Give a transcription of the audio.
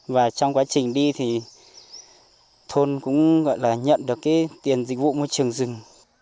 và trong quá trình đi thì thôn cũng gọi là nhận được cái tiền dịch vụ môi trường rừng